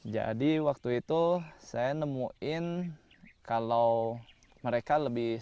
jadi waktu itu saya nemuin kalau mereka lebih baik